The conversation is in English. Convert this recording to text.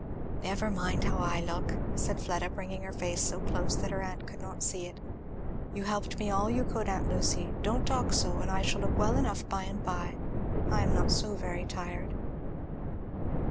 "Never mind how I look," said Fleda bringing her face so close that her aunt could not see it. "You helped me all you could, aunt Lucy don't talk so and I shall look well enough by and by. I am not so very tired."